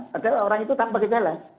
padahal orang itu tanpa gejala